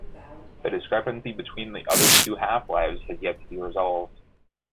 The discrepancy between the other two half-lives has yet to be resolved.